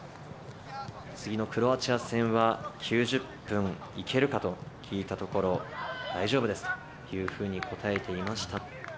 次のクロアチア戦は９０分いけるかと聞いたところ、大丈夫ですというふうに答えていました。